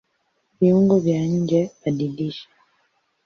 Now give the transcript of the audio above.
Viungo vya njeBadilisha